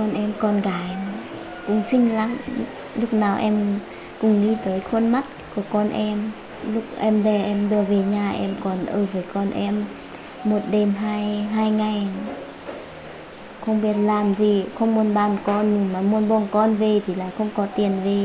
em tưởng là chúng đi là đi luôn không quay về nữa mình vẫn quay về